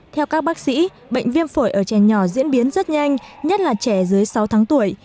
theo các bác sĩ bệnh viêm phổi ở trẻ nhỏ diễn biến rất nhanh nhất là trẻ dưới sáu tháng tuổi